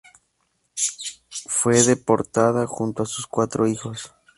Fue deportada junto a sus cuatro hijos.